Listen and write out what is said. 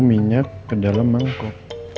minyak ke dalam mangkok